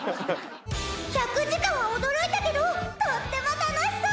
１００時間は驚いたけどとっても楽しそう！